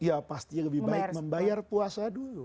ya pasti lebih baik membayar puasa dulu